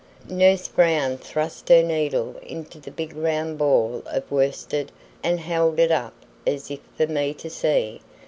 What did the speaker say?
Nurse Brown thrust her needle into the big round ball of worsted, and held it up as if for me to see.